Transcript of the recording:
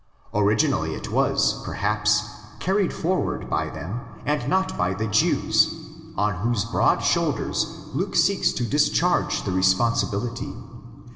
Originally it was, perhaps, carried forward by them and not by '"'the Jews,' on whose broad shoulders Luke seeks to discharge the responsibility.